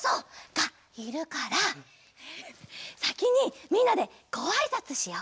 がいるからさきにみんなでごあいさつしよう。